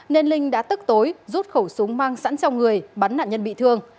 nên linh đã tức tối rút khẩu súng mang sẵn trong người bắn nạn nhân bị thương